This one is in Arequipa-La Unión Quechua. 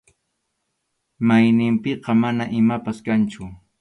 Mayninpiqa mana imapas kanchu.